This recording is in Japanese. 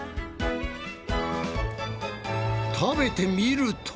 食べてみると？